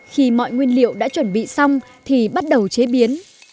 khi mọi nguyên liệu đã chuẩn bị xong thì bắt đầu chế biến